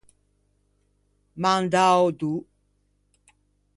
Mandâ ödô.